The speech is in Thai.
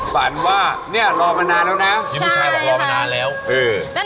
ฝันว่าเนี่ยรอมานานแล้วน้า